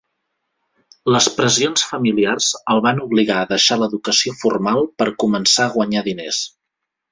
Les pressions familiars el van obligar a deixar l'educació formal per començar a guanyar diners.